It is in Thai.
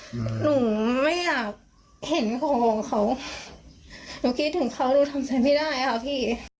หนูคิดถึงเขาหนูทำแสดงไม่ได้หรอพี่